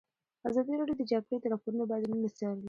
ازادي راډیو د د جګړې راپورونه بدلونونه څارلي.